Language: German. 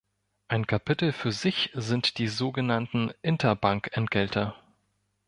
Ein Kapitel für sich sind die so genannten Interbankentgelte.